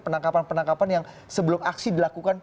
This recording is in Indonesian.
penangkapan penangkapan yang sebelum aksi dilakukan